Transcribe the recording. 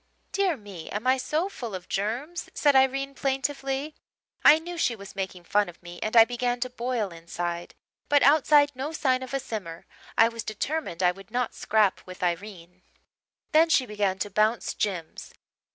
"'Dear me, am I so full of germs?' said Irene plaintively. I knew she was making fun of me and I began to boil inside but outside no sign of a simmer. I was determined I would not scrap with Irene. "Then she began to bounce Jims.